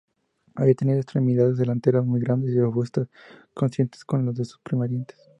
Habría tenido extremidades delanteras muy grandes y robustas, consistentes con las de sus parientes.